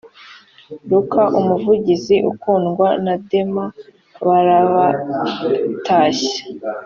luka umuvuzi ukundwa na dema barabatashya